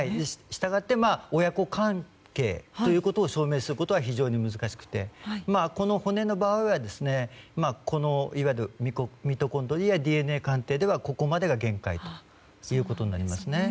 従って親子関係ということを証明することは非常に難しくてこの骨の場合はいわゆるミトコンドリアＤＮＡ鑑定ではここまでが限界ということになりますね。